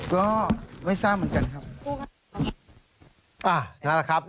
ก็ไม่ทราบเหมือนกันครับ